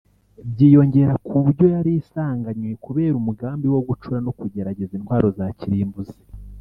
byiyongera ku byo yari isanganywe kubera umugambi wo gucura no kugerageza intwaro bya kirimbuzi